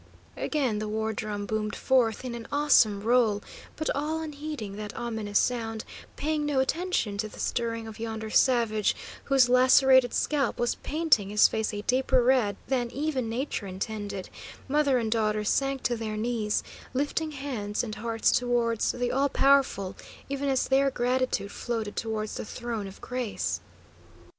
Again the war drum boomed forth in an awesome roll, but all unheeding that ominous sound, paying no attention to the stirring of yonder savage, whose lacerated scalp was painting his face a deeper red than even nature intended, mother and daughter sank to their knees, lifting hands and hearts towards the All Powerful, even as their gratitude floated towards the Throne of Grace.